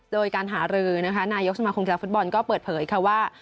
โดยการหารือนะคะนายกสมาคมกีฬาฟุตบอลก็เปิดเผยค่ะว่า